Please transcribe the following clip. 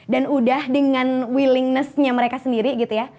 dan udah dengan willingnessnya mereka sendiri gitu ya